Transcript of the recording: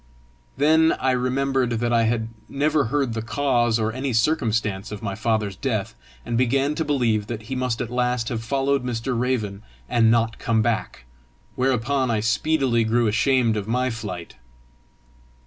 Then I remembered that I had never heard the cause or any circumstance of my father's death, and began to believe that he must at last have followed Mr. Raven, and not come back; whereupon I speedily grew ashamed of my flight.